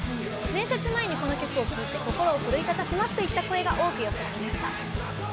面接前にこの曲を聴いて心を奮い立たせますといった声が声が多く寄せられました。